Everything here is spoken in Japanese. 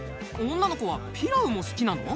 女の子はピラウも好きなの？